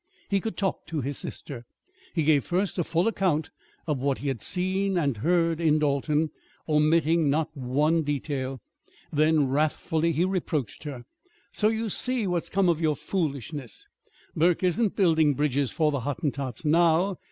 He could talk to his sister. He gave first a full account of what he had seen and heard in Dalton, omitting not one detail. Then, wrathfully, he reproached her: "So you see what's come of your foolishness. Burke isn't building bridges for the Hottentots now.